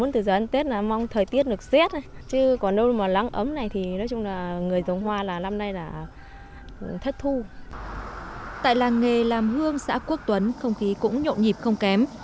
tại làng nghề làm hương xã quốc tuấn không khí cũng nhộn nhịp không kém